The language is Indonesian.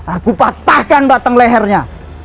aku patahkan batang lehernya